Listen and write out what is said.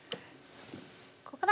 ここだ！